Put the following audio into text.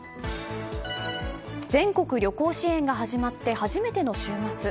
全国旅行支援が始まって初めての週末。